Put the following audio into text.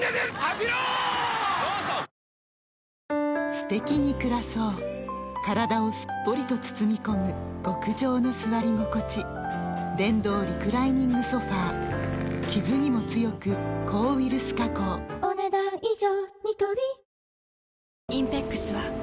すてきに暮らそう体をすっぽりと包み込む極上の座り心地電動リクライニングソファ傷にも強く抗ウイルス加工お、ねだん以上。